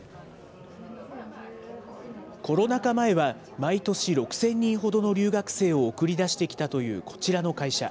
コロナ禍前は毎年、６０００人ほどの留学生を送り出してきたというこちらの会社。